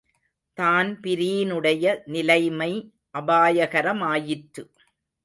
தான்பிரீனுடைய நிலைமை அபாயகர மாயிற்று.